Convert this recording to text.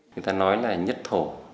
người ta nói là nhất thổ